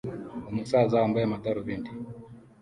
Umusaza wambaye amadarubindi